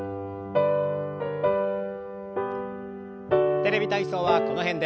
「テレビ体操」はこの辺で。